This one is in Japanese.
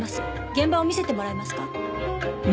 現場を見せてもらえますか？